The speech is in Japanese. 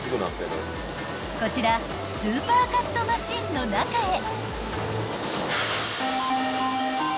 こちらスーパーカットマシンの中へ］